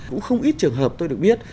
cũng không ít trường hợp tôi được biết